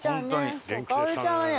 薫ちゃんね。